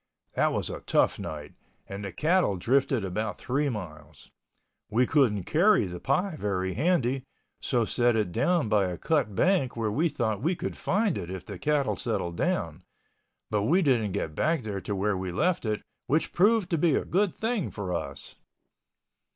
That was a tough night and the cattle drifted about three miles. We couldn't carry the pie very handy, so set it down by a cut bank where we thought we could find it if the cattle settled down, but we didn't get back to where we left it, which proved to be a good thing for us.